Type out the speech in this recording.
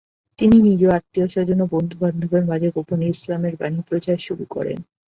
তিনি নিজ আত্মীয়-স্বজন ও বন্ধু-বান্ধবের মাঝে গোপনে ইসলামের বাণী প্রচার শুরু করেন।